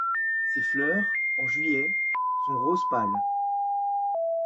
Ses fleurs, en juillet, sont rose pâle.